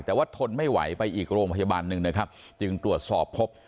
แต่ว่าทนไม่ไหวไปอีกโรงพยาบาลหนึ่งนะครับจึงตรวจสอบพบ